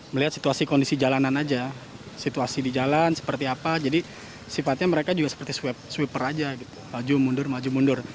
melihat situasi kondisi jalanan aja situasi di jalan seperti apa jadi sifatnya mereka juga seperti sweeper aja laju mundur maju mundur